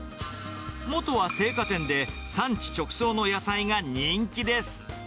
もとは青果店で、産地直送の野菜が人気です。